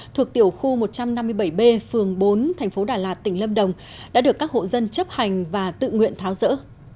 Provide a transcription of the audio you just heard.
thuộc tiểu khu một trăm năm mươi bảy b phường bốn thành phố đà lạt tỉnh lâm đồng đã được các hộ dân chấp hành và tự nguyện tháo rỡ